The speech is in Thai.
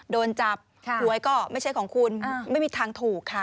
โดนจับหวยก็ไม่ใช่ของคุณไม่มีทางถูกค่ะ